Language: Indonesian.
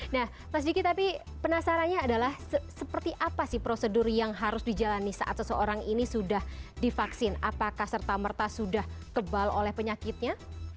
nah mas diki tapi penasarannya adalah seperti apa sih prosedur yang harus dijalani saat seseorang ini sudah divaksin apakah serta merta sudah kebal oleh penyakitnya